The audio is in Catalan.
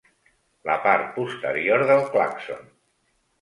La part posterior del clàxon.